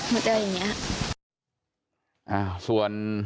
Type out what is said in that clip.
เพื่อนของไอซ์นะครับเกี่ยวด้วย